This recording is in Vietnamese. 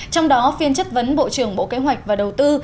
trong đó phiên chất vấn bộ trưởng bộ kế hoạch và đầu tư